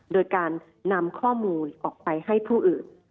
โดยการนำข้อมูลออกไปให้ผู้อื่น